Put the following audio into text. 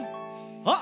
あっ！